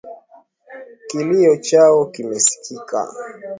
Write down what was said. Kilio chao kimesikika.